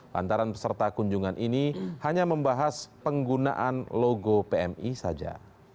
lantaran peserta kunjungan ini hanya membahas penggunaan logo pmi saja